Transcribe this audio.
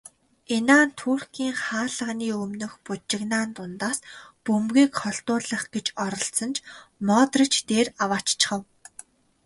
Инан Туркийн хаалганы өмнөх бужигнаан дундаас бөмбөгийг холдуулах гэж оролдсон ч Модрич дээр авааччихав.